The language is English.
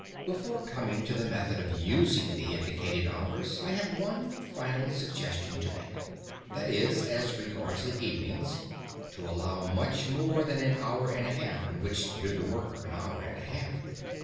Before coming to the method of using the indicated hours, I have one final suggestion to make. That is, as regards the evenings, to allow much more than an hour and a half in which to do the work of an hour and a half.